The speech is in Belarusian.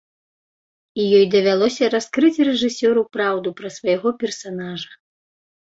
І ёй давялося раскрыць рэжысёру праўду пра свайго персанажа.